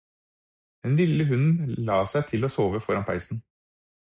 Den lille hunden la seg til å sove foran peisen.